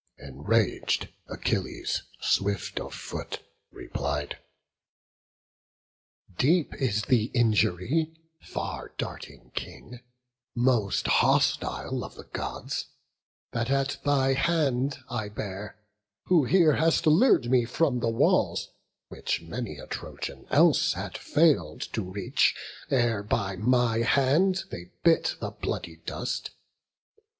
Enrag'd, Achilles, swift of foot, replied: "Deep is the injury, far darting King, Most hostile of the Gods, that at thy hand I bear, who here hast lur'd me from the walls, Which many a Trojan else had fail'd to reach, Ere by my hand they bit the bloody dust.